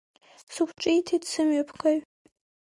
Сықәҿиҭит сымҩаԥгаҩ.